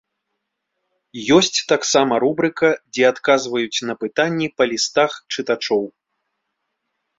Ёсць таксама рубрыка, дзе адказваюць на пытанні па лістах чытачоў.